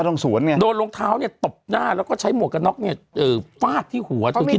ต้องสุฝันโดนลงเท้าตบหน้าแล้วก็ใช้หมวกกระน็อคฟาดที่หัวคิด